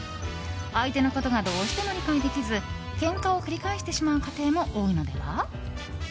相手のことがどうしても理解できずけんかを繰り返してしまう家庭も多いのでは？